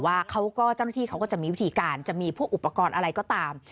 เขาก็เจ้าหน้าที่เขาก็จะมีวิธีการจะมีพวกอุปกรณ์อะไรก็ตาม